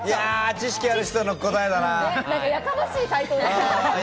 知識ある人の答えだな。